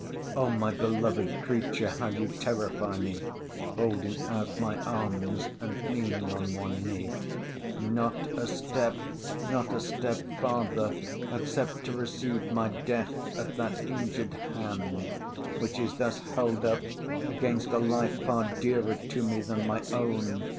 ]—O my beloved creature, how you terrify me! Holding out my arms, and kneeling on one knee—not a step, not a step farther, except to receive my death at that injured hand which is thus held up against a life far dearer to me than my own!